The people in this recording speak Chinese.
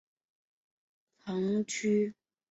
埃斯莫里斯是葡萄牙阿威罗区的一个堂区。